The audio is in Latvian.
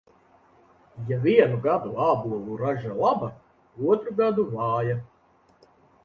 Ja vienu gadu ābolu raža laba, otru gadu vāja.